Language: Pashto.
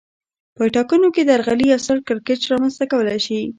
په ټاکنو کې درغلي یو ستر کړکېچ رامنځته کولای شي